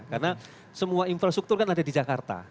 karena semua infrastruktur kan ada di jakarta